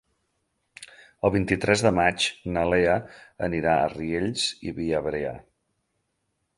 El vint-i-tres de maig na Lea anirà a Riells i Viabrea.